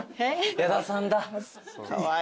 矢田さんだ。